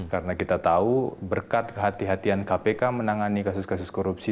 karena kita tahu berkat kehatian kpk menangani kasus kasus korupsi